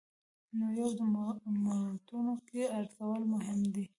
نویو موردونو کې ارزول مهم دي.